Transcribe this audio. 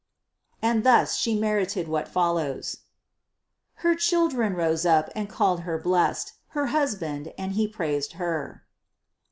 And thus She merited what follows. 799. "Her children rose up, and called her blessed: her husband, and he praised Her."